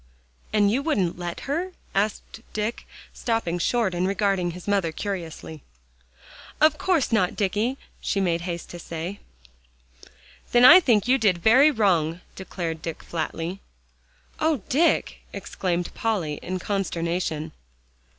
"And you wouldn't let her?" asked Dick, stopping short and regarding his mother curiously. "Of course not, Dicky," she made haste to say. "Then I think you did very wrong," declared Dick flatly. "Oh, Dick!" exclaimed Polly in consternation.